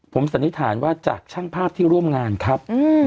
ผมสันนิษฐานว่าจากช่างภาพที่ร่วมงานครับ